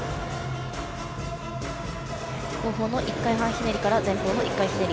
後方の１回半ひねりから前方の１回ひねり。